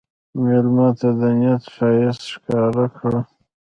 مېلمه ته د نیت ښایست ښکاره کړه.